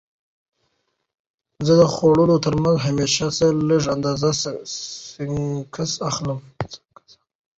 زه د خوړو ترمنځ همیشه څه لږه اندازه سنکس اخلم.